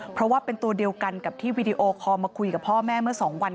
เพราะว่าเป็นตัวเดียวกันกับที่วีดีโอคอลมาคุยกับพ่อแม่เมื่อ๒วัน